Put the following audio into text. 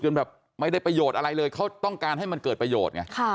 แบบไม่ได้ประโยชน์อะไรเลยเขาต้องการให้มันเกิดประโยชน์ไง